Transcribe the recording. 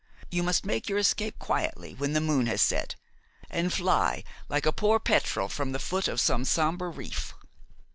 You must make your escape quietly when the moon has set, and fly like a poor petrel from the foot of some sombre reef."